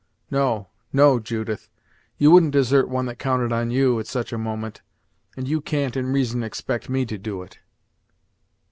No no Judith, you wouldn't desert one that counted on you, at such a moment, and you can't, in reason, expect me to do it."